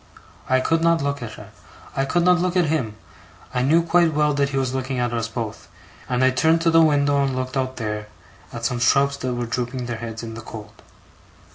I could not look at her, I could not look at him, I knew quite well that he was looking at us both; and I turned to the window and looked out there, at some shrubs that were drooping their heads in the cold.